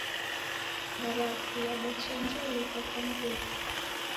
Barafu yadachanjaluka kwa mruke.